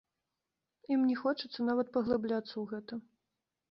Ім не хочацца нават паглыбляцца ў гэта.